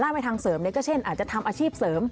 ไปทางเสริมก็เช่นอาจจะทำอาชีพเสริม